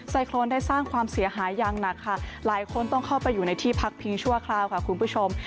ไซโครนได้สร้างความเสียหายอย่างหนักค่ะหลายคนต้องเข้าไปอยู่ในที่พักพิงชั่วคราวค่ะคุณผู้ชม